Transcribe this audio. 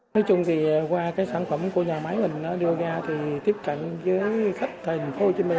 nói chung thì qua cái sản phẩm của nhà máy mình đưa ra thì tiếp cận với khách thành phố hồ chí minh